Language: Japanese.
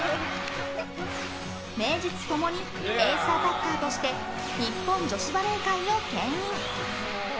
名実ともにエースアタッカーとして日本女子バレー界を牽引！